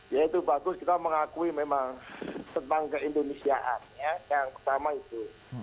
ya itu bagus kita mengakui memang tentang keindonesiaannya yang pertama itu